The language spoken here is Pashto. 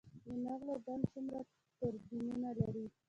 د نغلو بند څومره توربینونه لري؟